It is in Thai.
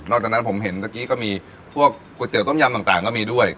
นอกจากนั้นผมเห็นเมื่อกี้ก็มีทั่วโกยเสียวก้มยำต่างก็มีด้วย